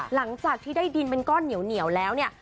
หลังจากที่ได้ดินเป็นก้อนเหนียวแล้วเนี่ย